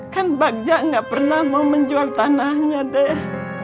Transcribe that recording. kan bagja nggak pernah mau menjual tanahnya deh